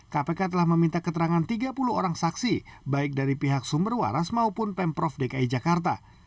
kpk telah meminta keterangan tiga puluh orang saksi baik dari pihak sumber waras maupun pemprov dki jakarta